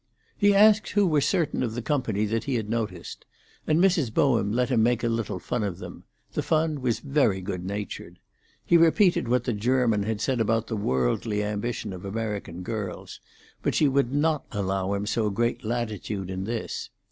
He asked who were certain of the company that he had noticed, and Mrs. Bowen let him make a little fun of them: the fun was very good natured. He repeated what the German had said about the worldly ambition of American girls; but she would not allow him so great latitude in this.